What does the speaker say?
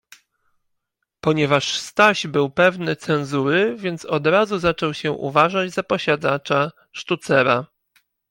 Ponieważ Staś był pewny cenzury, więc od razu zaczął się uważać za posiadacza sztucera.